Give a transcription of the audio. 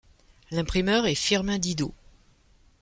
L'imprimeur est Firmin Didot.